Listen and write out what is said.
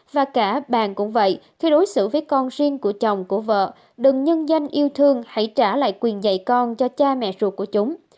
và cả bà cũng vậy khi đối xử với con riêng của chồng của vợ đừng nhân danh yêu thương hãy trả lại quyền dạy con cho cha mẹ ruột của chúng